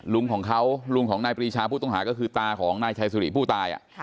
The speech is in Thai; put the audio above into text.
ลุงของเขาลุงของนายปรีชาผู้ต้องหาก็คือตาของนายชัยสุริผู้ตาย